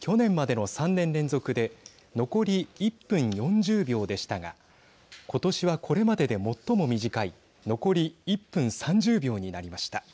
去年までの３年連続で残り１分４０秒でしたが今年は、これまでで最も短い残り１分３０秒になりました。